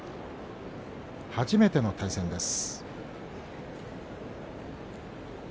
初めての対戦です。